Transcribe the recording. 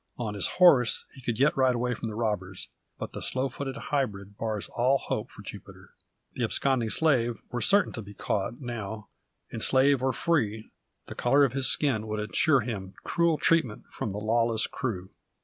On his horse he could yet ride away from the robbers, but the slow footed hybrid bars all hope for Jupiter. The absconding slave were certain to be caught, now; and slave or free, the colour of his skin would ensure him cruel treatment from the lawless crew.